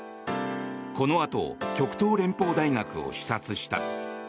このあと極東連邦大学を視察した。